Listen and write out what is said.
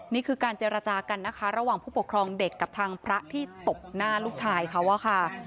นี่คือการเจรจากันนะคะระหว่างผู้ปกครองเด็กกับทางพระที่ตบหน้าลูกชายเขาอะค่ะ